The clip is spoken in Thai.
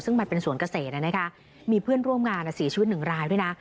ซึ่งมันเป็นสวนเกษตรมีเพื่อนร่วมงานเสียชีวิตหนึ่งรายด้วยนะ